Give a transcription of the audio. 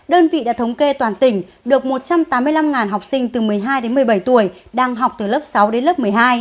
đơn vị đã thống kê toàn tỉnh được một trăm tám mươi năm học sinh từ một mươi hai đến một mươi bảy tuổi đang học từ lớp sáu đến lớp một mươi hai